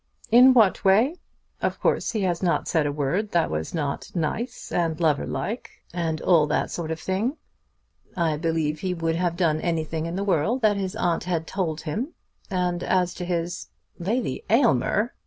"In what way? Of course he has not said a word that was not nice and lover like, and all that sort of thing. I believe he would have done anything in the world that his aunt had told him; and as to his " "Lady Aylmer!"